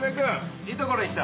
いいところに来た。